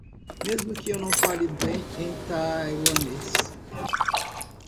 Mesmo que eu não fale bem em taiwanês